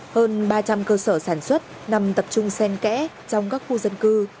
hơn ba trăm linh cơ sở sản xuất nằm tập trung sen kẽ trong các khu dân cư